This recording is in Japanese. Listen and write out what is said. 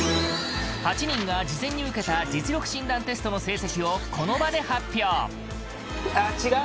８人が事前に受けた実力診断テストの成績をこの場で発表。